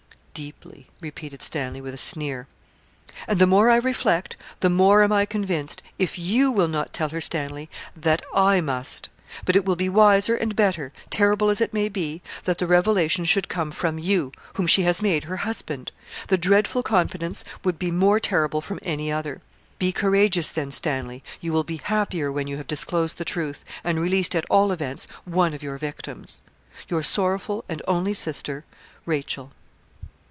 'Deeply,' repeated Stanley, with a sneer. 'And the more I reflect, the more am I convinced if you will not tell her, Stanley, that I must. But it will be wiser and better, terrible as it may be, that the revelation should come from you, whom she has made her husband. The dreadful confidence would be more terrible from any other. Be courageous then, Stanley; you will be happier when you have disclosed the truth, and released, at all events, one of your victims. 'Your sorrowful and only sister, 'RACHEL.'